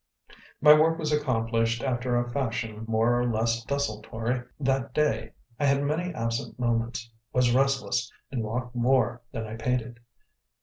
My work was accomplished after a fashion more or less desultory that day; I had many absent moments, was restless, and walked more than I painted.